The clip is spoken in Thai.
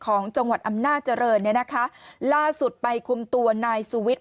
ของจังหวัดอำนาจริงเนี่ยนะคะล่าสุดไปคุมตัวนายสุวิทย์